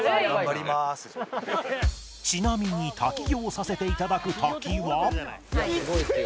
ちなみに滝行させていただく滝は